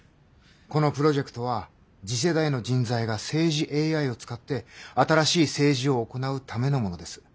このプロジェクトは次世代の人材が政治ＡＩを使って新しい政治を行うためのものです。